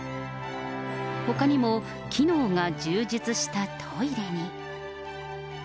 ほかにも機能が充実したトイレに。